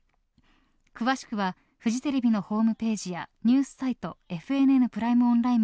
詳しくはフジテレビのホームページやニュースサイト「ＦＮＮＰＲＩＭＥ